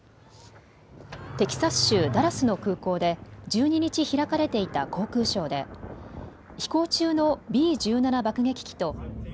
テキサス州ダラスの空港で１２日、開かれていた航空ショーで飛行中のＢ１７爆撃機とＰ６３